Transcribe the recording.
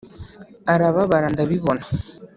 Arababara ndabibona